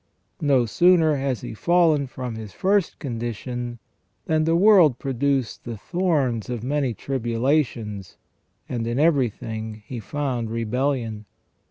No sooner has he fallen from his first condition, than the world produced the thorns of many tribulations, and in everything he found rebellion.